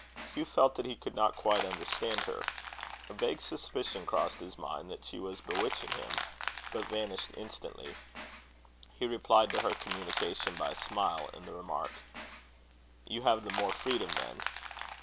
Hugh felt that he could not quite understand her. A vague suspicion crossed his mind that she was bewitching him, but vanished instantly. He replied to her communication by a smile, and the remark: "You have the more freedom, then.